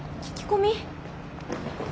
聞き込み？